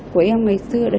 của em ngày xưa